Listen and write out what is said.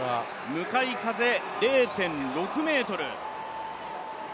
向かい風０．６メートル。